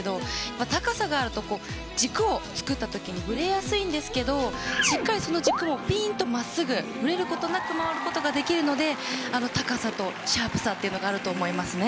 高さがあると軸を作ったときにぶれやすいんですがしっかりその軸をぴんと真っすぐぶれることなく回ることができるので高さとシャープさがあると思います。